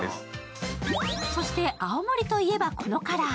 そして青森といえばこのカラー。